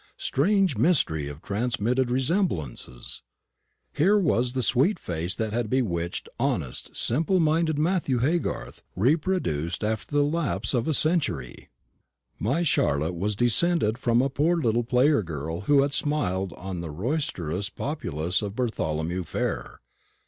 Strange mystery of transmitted resemblances! Here was the sweet face that had bewitched honest, simple minded Matthew Haygarth reproduced after the lapse of a century. My Charlotte was descended from a poor little player girl who had smiled on the roisterous populace of Bartholomew Fair.